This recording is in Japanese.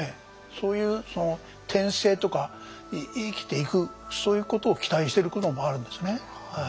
そういう転生とか生きていくそういうことを期待してるところもあるんですね。